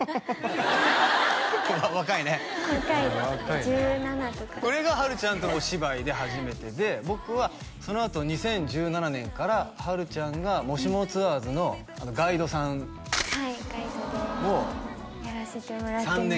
若いね若いですね１７とかこれがはるちゃんとお芝居で初めてで僕はそのあと２０１７年からはるちゃんが「もしもツアーズ」のガイドさんはいガイドでやらせてもらってました